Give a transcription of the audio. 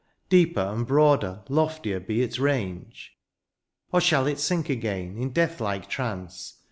Deeper, and broader, loftier be its range ? Or shall it sink again in death Uke trance.